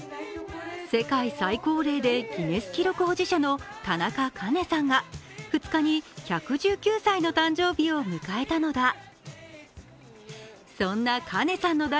世界最高齢でギネス記録保持者の田中カ子さんが２日に、１１９歳の誕生日を迎えたのだ。